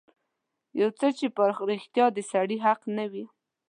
يو څه چې په رښتيا د سړي حق نه وي.